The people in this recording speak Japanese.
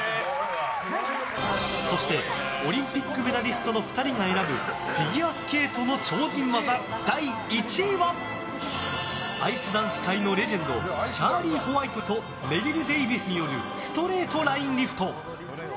そしてオリンピックメダリストの２人が選ぶフィギュアスケートの超人技第１位はアイスダンス界のレジェンドチャーリー・ホワイトとメリル・デービスによるストレートラインリフト。